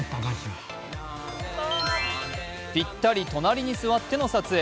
ぴったり隣に座っての撮影。